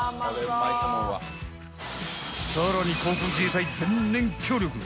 更に航空自衛隊全面協力。